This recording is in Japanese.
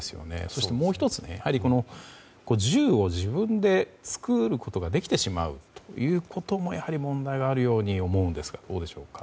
そして、もう１つやはり銃を自分で作ることができてしまうということもやはり問題があるように思いますがどうでしょうか。